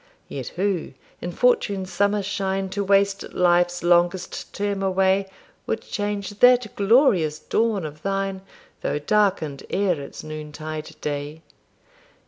Yet who, in Fortune's summer shine To waste life's longest term away, Would change that glorious dawn of thine, Though darken'd ere its noontide day!